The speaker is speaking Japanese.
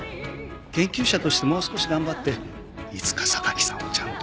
研究者としてもう少し頑張っていつか榊さんをちゃんと。